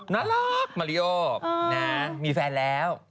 น่ารักมาริโอนะมีแฟนแล้ว